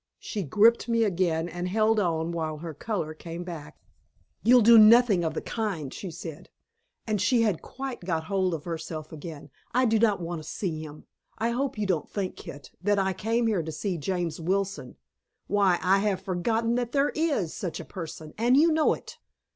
She gripped me again, and held on while her color came back. "You'll do nothing of the kind," she said, and she had quite got hold of herself again. "I do not want to see him: I hope you don't think, Kit, that I came here to see James Wilson. Why, I have forgotten that there IS such a person, and you know it."